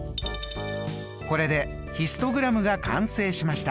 これでヒストグラムが完成しました。